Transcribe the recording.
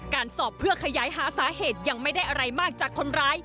สอบเพื่อขยายหาสาเหตุยังไม่ได้อะไรมากจากคนร้าย